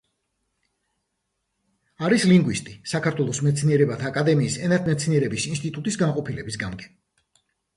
არის ლინგვისტი, საქართველოს მეცნიერებათა აკადემიის ენათმეცნიერების ინსტიტუტის განყოფილების გამგე.